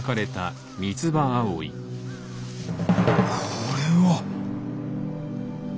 これは！